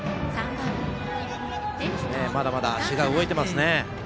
まだまだ足が動いてますね。